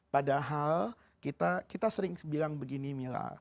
padahal kita sering bilang begini mila